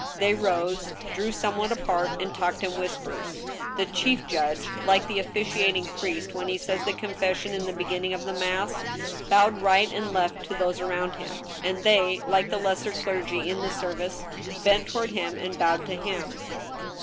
They rose, drew somewhat apart, and talked in whispers. The chief judge, like the officiating priest when he says the confession in the beginning of the mass, bowed right and left to those around him, and they, like the lesser clergy in the service, bent toward him and bowed to him.